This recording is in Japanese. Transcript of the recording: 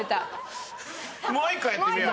もう１個やってみようよ！